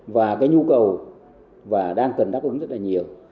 và cái nhu cầu và đang cần đáp ứng rất là nhiều